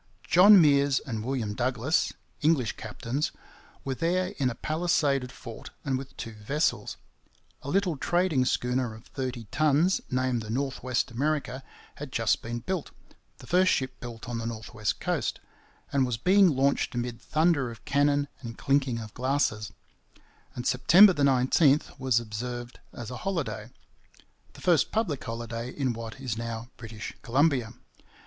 John Meares and William Douglas, English captains, were there in a palisaded fort and with two vessels; a little trading schooner of thirty tons named the North West America had just been built the first ship built on the North West coast and was being launched amid thunder of cannon and clinking of glasses, and September 19 was observed as a holiday the first public holiday in what is now British Columbia.